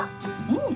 うん。